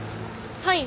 はい。